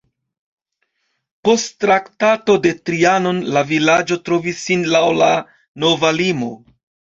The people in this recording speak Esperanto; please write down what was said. Post Traktato de Trianon la vilaĝo trovis sin laŭ la nova limo.